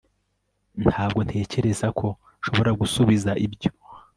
ntabwo ntekereza ko nshobora gusubiza ibyo